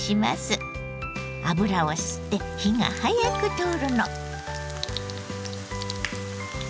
油を吸って火が早く通るの。